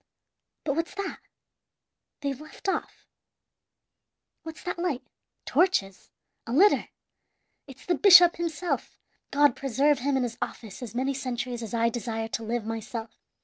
"But what's that? They've left off. What's that light? Torches! a litter! It's the bishop himself! God preserve him in his office as many centuries as I desire to live myself!